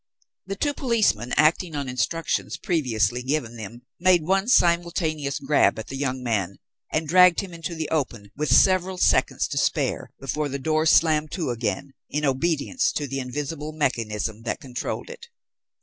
The two policemen, acting on instructions previously given them, made one simultaneous grab at the young man and dragged him into the open with several seconds to spare before the door slammed to again, in obedience to the invisible mechanism that controlled it.